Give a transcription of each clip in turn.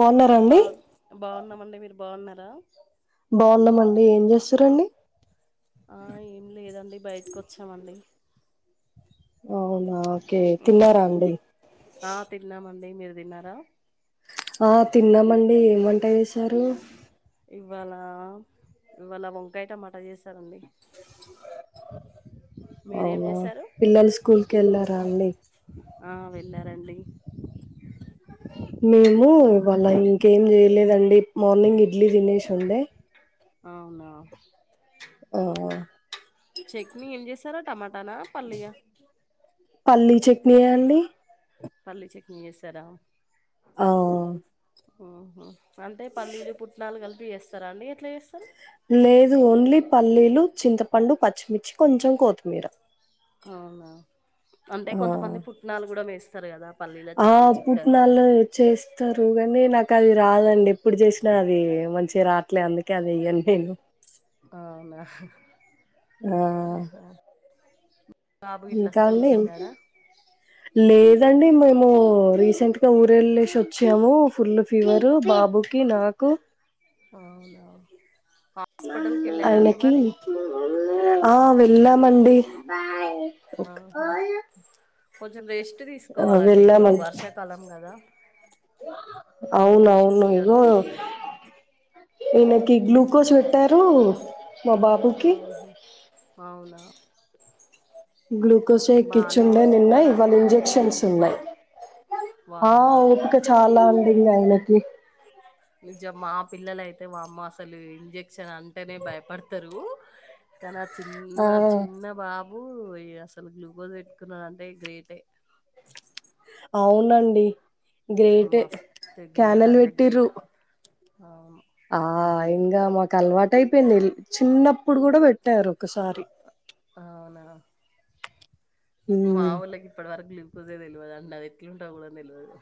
బాగున్నారండి బాగ్ బావున్నామండి మీరు బావున్నారా బావూన్నామండి ఏం చేస్తురండి ఆ ఏమి లేదండి బయటకి వచ్చామండి అవునా ఓకే ఉమ్. తిన్నారా అండి ఆ తిన్నామండి మీరు తిన్నారా ఆ తిన్నామండి ఏం వంట చేసారు ఇవాళ ఇవాళ వంకాయటమాటా చేసానండి అవునా చేశారు పిల్లలు స్కూల్ కి వెళ్ళారా అండి ఆ వెళ్ళారండి మేము ఇవాళ ఇంకేం చేయలేదండి మార్నింగ్ ఇడ్లీ తినేసి ఉండే అవునా ఆ చట్నీ ఏం చేసారా టమాటానా పల్లియా పల్లీ చట్నీయా అండి పల్లి చట్నీ చేసారా ఆ ఊహూ అంటే పల్లీలు పుట్నాలు కలిపి చేస్తారా అండి ఎట్లా చేస్తారు లేదు ఓన్లీ పల్లీలు చింతపండు పచ్చిమిర్చి కొంచెం కొత్తిమీర అవునా అంటే కొంతమంది ఆ పుట్నాలు కూడా వేస్తారు కదా పల్లీల ఆ చట్నీ చిక్కగా పుట్నాలు చేస్తారు కానీ నాకు అది రాదండి ఎప్పుడు చేసినా అది మంచిగా రాట్లేదు అందుకే అది వెయ్యను నేను అవునా ఆ! ఆహా బాబు ఇట్లా ఇంకా స్కూల్ కి అండి? వెళ్ళాడా లేదండి మేము రీసెంట్ గా ఊర వెళ్ళేసి వచ్ చ్చాము ఫుల్ ఫీవరు బాబుకి నాకు అవున ఆ ఆయనకి ఆ వెళ్ళామండి ఓకే. ఆహా కొంచెం రెస్ట్ ఆ! తీసుకోవాలండి ఇప్పుడు వెళ్ళామండి. వర్షాకాలం కదా అన్ని ఇష్యూస్ అవునవును ఇగో జరుగుతాయి ఈయనకి ఉమ్. గ్లూకోజ్ పెట్టారు మా బాబుకి ఆహా అవునా గ్లూకోజే ఎక్కిచ్చుండే నిన్న. బానేఓరుసుకున్నాడండి ఇవాళ గ్లూకోజు ఇంజెక్షన్స్ వామ్మో ఇంకా చాలా అంది ఆయనకి నిజ మా పిల్లల అయితే మా అమ్మ అసలు ఇంజక్షన్ అంటేనే భయపడతరు కానీ ఆ ఆ చిన్న చిన్న బాబు అసలు గ్లూకోజ్ పెట్టుకున్నాడాంటే గ్రేటే అవునండి గ్రేటె మస్తు క్యానల్ పెట్టిరు ఆమ్ ఆ ఇంకా మాకు అలవాటు అయిపోయింది చిన్నప్పుడు కూడా పెట్టారు ఒకసారి అవునా మా ఉమ్ వోళ్ళకి ఇప్పటి వరకు లేవ్ అసలే తెలివదు అండి అది ఎట్లు ఉంటదొ గుడా తెలివదు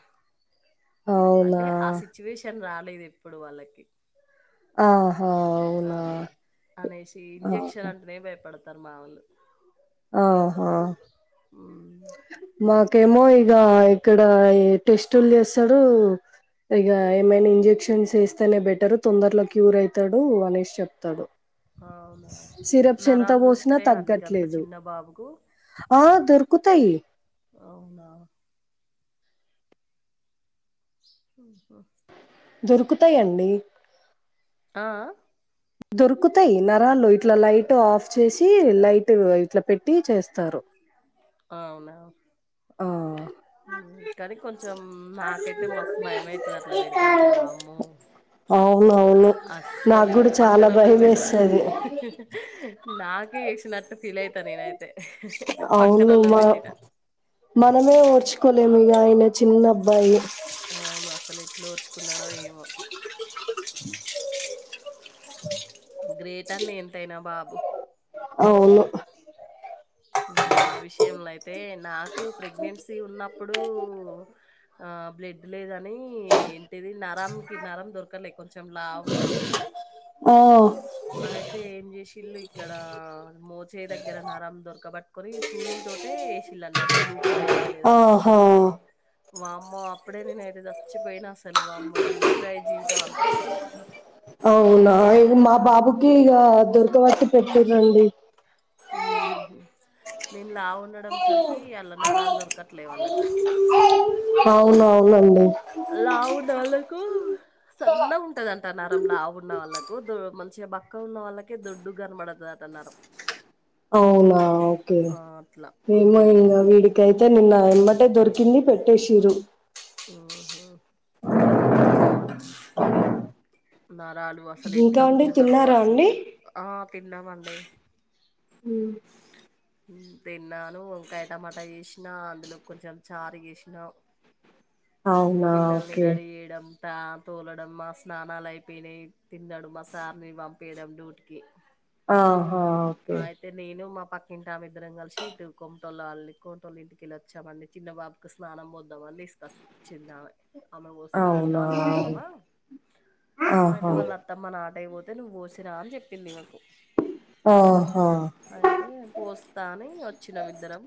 అవునా అంటే ఆ సిచ్యువేషన్ రాలేదుఎప్పుడు వాళ్ళకి ఆహా అవునా అట్లా అనేసి ఇంజక్షన్ ఆహా అంటేనే భయపడతారు మా ఓళ్ళు ఒ హొ ఉ మాకేమో ఇగ ఇక్కడ టెస్టులు చేస్తరు ఇగ ఏమైనా ఇంజెక్షన్స్ ఎస్తేనే బెటర్ తొందరలో క్యూర్ అవుతాడు అనేసి చెప్తాడు అవునా సిరప్స్ ఎంత నరాలు పోసినా దొరుకుతాయా అండి గంత తగ్గట్లేదు చిన్న బాబుకు ఆ దుర్ కుతయి అవునా ఆహా దొరుకుతాయండి ఆ అ దొరుకుతాయి నరాలు ఇట్లా లైట్ ఆఫ్ చేసి లైట్ ఇట్లా పెట్టి చేస్తారు అవునావు ఆ కాని కొంచెం నాకైతే మస్తు భయం అయితది అట్లా పెడుతంటే వామ్మో అవునవును నాకు అస్సలు కూడా చాలా పక్కనలోది భయం పెడితే వేస్తది నాకే ఎసినట్ ఫీల్ అయితా నేనైతే పక్కన అవును లో మా పెట్టినా మనమే ఓడ్చుకోలేము ఇగ ఆయన చిన్నాబ్బాయి అవును అసలు ఎట్ల ఓర్చుకున్నాడో ఏమో గ్రేట్ అన్న ఎంతైనా బాబు అవును నా విషయంలో అయితే నాకు ప్రెగ్నెన్సీ ఉన్నప్పుడూ ఆ బ్లడ్ లేదని ఏంటిది నరంకి నరం దొరకలే కొంచెం చెం లాఉన్నా నేను ఓ అయితే ఏం చేసిల్ళు ఇక్కడా మోచే దగ్గర నర దొరకబట్టుకొని సూదుల తటే ఎసిళ్ళన్నట్టు గ్లూకోజ్ ఎక్తలేదని ఆహా వామ్మో అప్పుడే నేను అయితే చచ్చిపోయినా అసలు వామ్మో ఎందుకు రా జీవితం అనిపించింది అవునా ఇంగ్ మా బాబుకీ ఇగా జంతు వర్షు పెట్టిర్రండి ఊ నేను లావుండడం సరికీ ఆళ్ల నరాలు దొరకట్లే వాళ్ళకు అవునవునండి లావుండే వాళ్లకూ సన్న ఉంటదంట నరం లావు ఉన్న వాళ్ళకు దో మంచిగా బక్కగ ఉన్న వాళ్ళకే దొడ్డు కనపడతాదంట ద నరం అవునా ఓకే ఆ! అట్లా. ఏం కాదు హ్మ్. ఏం కాదులే ఇడి కైతే నిన్నా ఎమ్మటే దొరికింది పెట్టేసిర్రు ఓహా [inaudible] నరాలు అసలు ఇంకా ఇట్లా అండి కూచ్చుతారో తిన్నారా ఆ అండి సూదులు ఆ తిన్నామండి హు ఉ తిన్నాను వంకాయ టమాటా చేేసినా అందులో కొంచెం చారు చేేసినా అవునా పిల్లల్ని ఓకే రడీ చేయడం తా తోలడం మా స్నానాలు అయిపోయినయ్ తిన్నడు మా సార్ని పంపీడం డూట్కి ఆహా ఒకే తె నేనూ మా పక్ ఇంటామిద్దరం కలిసి ఇటు కొమ్టోల్లాల్ కొమ్టోల్ల ఇంటికెల్లొచ్చామండి చిన్న బాబుకి స్నానం పోద్దామని తీస్కచ్ చిన్నామె ఆమె పోస్తందింట అవునా వాళ్ళు అత్తమ్మ అయితే ఆహా వాళ్ళత్ త్తమ్మ నాటయ్పోతే నువ్వు పోసిరా అని చెప్పింది ఈమెకు ఆహా అయితే పోస్తా అనీ వచ్చినం ఇద్దరం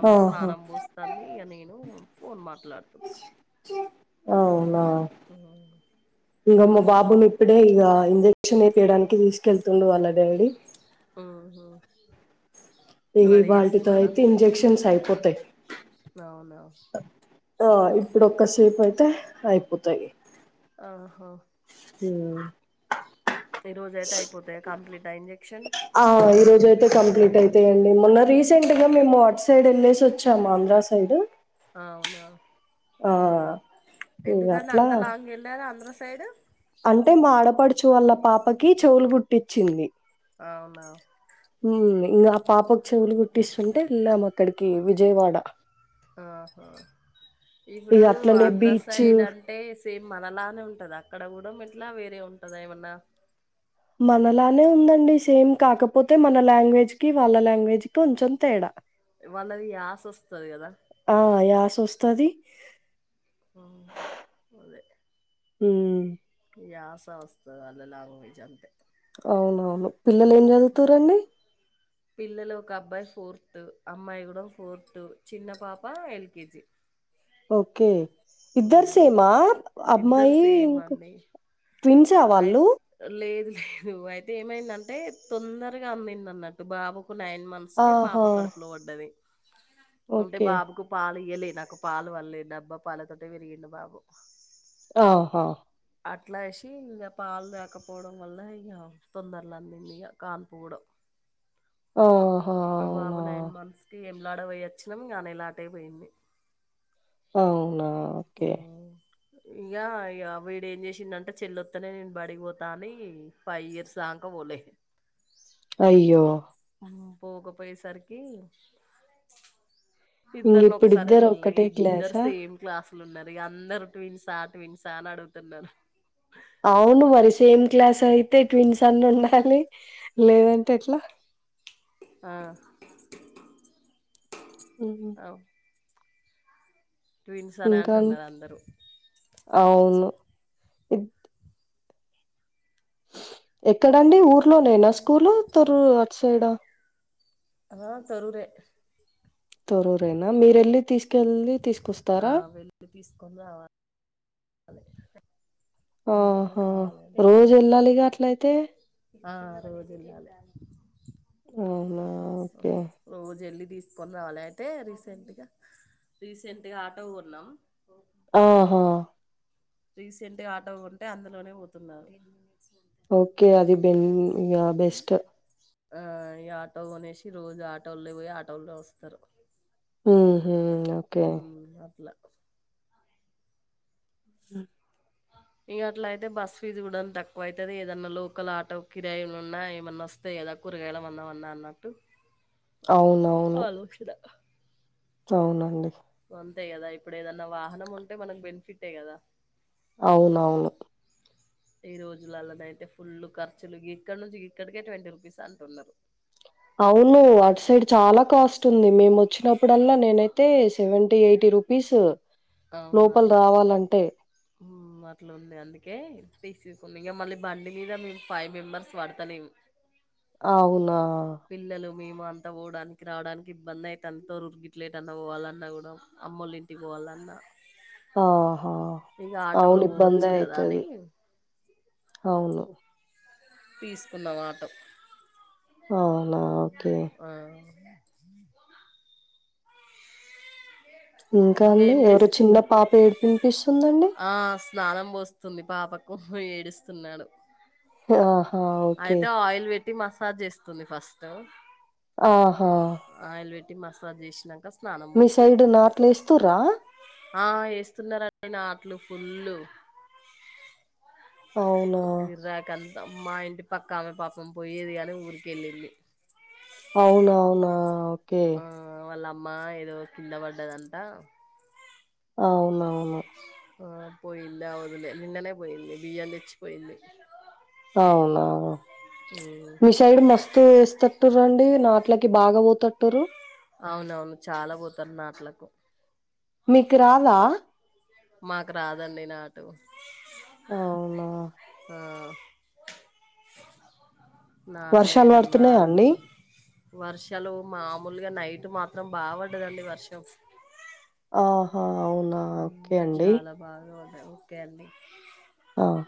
ఆమె ఆహా స్నానం పోస్త అన్నయ్య నేనూ ఫోన్ మాట్లాడుతున్నా అవునా అవును ఇంక మా బాబుని ఇప్పుడే ఇగా ఇంజెక్షన్ ఏపియ్యడానికి తీసుకెళ్తుంది వాళ్ళ అత్ ఊహు ఇవి ఇవాళ్టి తో అయితే ఇంజక్షన్స్ అయిపోతయ్ అవునా ఆ ఇప్పుడు ఒక్కసేప్ అయితే అవును హో దేవా ఈ రోజు అయితే అయిపోతాయా కంప్లీటా ఇంజెక్షన్ ఆ ఈ రోజు అయితే కంప్లీట్ అయితయండి మొన్న రీసెంట్ గా మేము అట్ సైడ్ వెళ్ళేసి వచ్చాము ఆంధ్ర సైడ్ ఏంటో అవునా ఆ ఇగ ఎందుకండి అట్లా అంత లాంగ్ వెళ్ళారు ఆంధ్ర సైడు అంటే మా ఆడపడుచువాల్ల పాపకి చెవులు కుట్టించ్చింది అవునా మ్ ఇంక ఆ పాపకి చెవులు కుట్టిస్తుంటే వెళ్ళాం అక్కడికి విజయవాడ ఆహా ఇగ ఇప్పుడూ అట్లనే ఆంధ్ర బీచ్ సైడ్ అంటే అంటే సేమ్ మనలానే ఉంటదా అక్కడ కూడా ఎట్లా వేరే ఉంటంద ఏమన్నా మనలానే ఉందండి సేమ్ కాకపోతే మన లాంగ్వేజ్ కి వాళ్ళ లాంగ్వేజ్ కి కొంచెం తేడా వాళ్ళది రాసోస్తది కదా ఆ యాసోస్తాది ఆ హ్మ్ యాస వస్తాది అదే లాంగ్వేజ్ అంతే అవునవును పిల్లలు ఏం చదువుతారండి పిల్లలు ఒక అబ్బాయి ఫోర్త్ అమ్మాయి కూడా ఫోర్త్ చిన్న పాప ఎల్కేజీ ఓకే ఇద్దరు సేమా ఇద్దరు అమ్మాయి సేమ్ అండి ట్విన్స అయి వాళ్ళు లేదు లేదు అయితే ఏమైందంటే తొందరగా అందింది అన్నట్టు బాబుకు నైన్ మంత్ న్స్ కే ఆహా! పాప కడుపులో పడ్డది అంటే ఓకే. బాబుకు పాలు ఇయ్యలే నాకు పాలు వళ్లే డబ్బా పాలతోటే పెరిగిండు బాబు ఆహా అట్లా వేసి ఇంకా పాలు లేకపోవడం వల్ల ఇక తొందరల అందిదిగ కాన్పు కూడ ఆహా! అ అవునా! బాబు నైన్ మంత్స్ టీ ఏం లాడ పోయ వచ్చినాం గా నేల అటేపోయింది అవునా ఓకే ఇగా వీడేం చేసిందంటే చెల్లొస్తలేదేంటి నేను బడిపోతా అని పై ఇయర్స్ దాకా పోలే అయ్యో ఆ పోకపోయే సరికి ఇద్దరుని ఒకసారే ఇంగిప్పుడిద్దరు దోల్నా ఒక్కటే ఇద్దరు క్లాసా? సేమ్ క్లాసులు ఉన్నారు ఇక అందరు ట్విన్సా ట్విన్సా అని అడుగుతున్నారు అవును మరి సేమ్ క్లాస్ అయితే ట్విన్స్ అన్ని ఉండాలి లేద ఆ ఉమ్ ఆ ట్వీన్స్ అనే ఇంకా అండి? అంటున్నారు అందరూ అవును ఇద్ ఎక్కడండి ఊర్లోనేనా స్కూల్ తరు అట్ సైడ్ ఆ అా తరురే తొరూరేనా మీరేల్లి తీసుకు ఆ వెళ్ళి తీసుకుని రావాలి ఎంతవరకు ఆహా రావాలండి రోజు వెళ్ళాలిగా అట్లయితే ఆ రోజెల్లాలి అవునా! ఆహా ఓకే. రోజు వెళ్ళీ తీసుకొని రావాలి అయితే రీసెంట్గా రీసెంట్గా ఆటో కొన్నాం ఆహా రీసెంట్గా ఆటో ఉంటే అందులోనే పోతున్నారు ఓకే అది బెన్ బెస్ట్ ఆ ఈ ఆటో కొనేసి రోజు ఆటోల్లో పోయి ఆటోల్లో వస్తారు హ్మ్ హు ఓకే హు అట్లా మ్మ్ ఇంక అట్లా అయితే బస్ ఫీజ్ కూడా తక్కువ అయితది ఏదన్నా లోకల్ ఆటో కిరాయిలు ఉన్నా ఏమన్నా వస్త్ వత్తయి కదా ఏదో కూరగాయల వన్నా వన్నా అన్నట్టు అవునవును [unintelligible] అవునండి అంతే కదా ఇప్పుడు ఏదన్నా వాహనం ఉంటే మనకు బెనిఫిటే కదా అవునవును అ ఈ రోజులలన అయితే ఫుల్ ఖర్చులు ఇక్కడ నుంచి ఇక్కడికే ట్వంటీ రూపీస్ అంటున్నారు అవును అటు సైడ్ చాలా కాస్ట్ ఉంది మేము వచ్చినప్పుడల్లా నేనైతే సెవెంటీ ఎయిటీ రూపీస్ లోపల రావాలంటే అట్లుంది అందుకే తీసేసుకుం ఇంకా మళ్ళీ బండి మీద మేము ఫైవ్ మెంబెర్స్ పడతలేము అ అవునా పిల్లలు మేము అంతా పోవడానికి రావడానికి ఇబ్బంది అయితే అంతతో ఇరికిట్లేదుంత పోవాలన్నా కూడా అమ్మోళ్ళింటికి పోవాలన్నా ఆహా ఇగ అవును ఆటోలో ఇబ్బంది పోవచ్చు కదా అని అయితది అవును తీసుకున్నం ఆటో అవునా! ఓకే. ఆ ఇంకా అండి ఎవరు చిన్న పాప ఏడుపు వినిపిస్తుందండి ఆస్ స్నానం పోస్తుంది పాపకు ఏడుస్తున్నాడు ఆహా! ఓకే. అయితే ఆయిల్ పెట్టి మసాజ్ చేస్తుంది ఫస్ట్ ఆహా ఆయిల్ పెట్టి మసాజ్ చేసి నాకా స్నానం మీ పోతది సైడ్ నాట్లు వేస్తుర్ర ఆ వేస్తున్నారు అక్క నాట్లు ఫుల్లు అవునా! [unintelligible] మా ఇంటి పక్కా ఆమె పాపం పోయేది గాని ఊరికి వెళ్ళింది అవునా అవునా ఓకే ఆ వాళ్ళమ్మ ఏదో కింద పడ్డదంట అవునవును పోయిలా అదులే నిన్ననే పోయింది బిఎల్ ఎచ్ పోయింది అవునా సైడ్ మస్తు వేస్తట్టురుండి నాట్లకి బాగా పోతట్రు అవునవును చాలా పోతాం నాట్లకు మీకురాదా మాకు రాదండి నాటు అవునా ఆ నాట్లు వర్షాలు వేయడం పడుతున్నాయా రాదు అండి? వర్షాలు మామూలుగా నైట్ మాత్రం బా పడ్డదండి వర్షం ఆహా అవును చాలా బాగా ఉన్నాయి ఓకే అండి హ్మ్